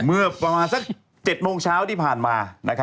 เมื่อประมาณสัก๗โมงเช้าที่ผ่านมา